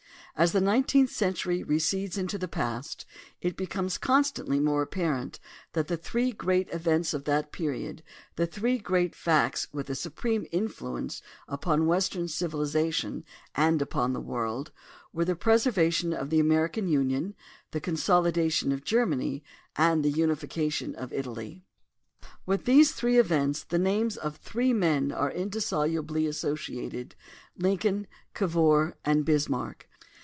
As the nineteenth century recedes into the past it becomes constantly more apparent that the three great events of that period, the three great facts with a supreme influence upon Western civilization and upon the world, were the preservation of the American Union, the consolidation of Germany, and the unification of Italy. With these three events the names of three men are indissolubly associated — Lin coln, Cavour, and Bismarck.